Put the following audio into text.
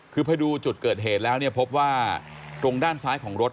คือพอดูจุดเกิดเหตุแล้วเนี่ยพบว่าตรงด้านซ้ายของรถ